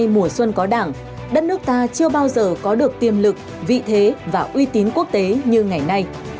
chín một mươi hai mùa xuân có đảng đất nước ta chưa bao giờ có được tiềm lực vị thế và uy tín quốc tế như ngày nay